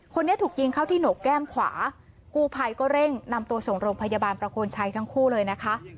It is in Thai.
คนนี้ถูกยิงเข้าที่หนกแก้มขวากู้ภัยก็เร่งนำตัวส่งโรงพยาบาลประโคนชัยทั้งคู่เลยนะคะ